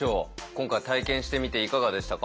今回体験してみていかがでしたか？